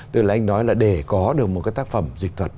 từ là anh nói là để có được một cái tác phẩm dịch thuật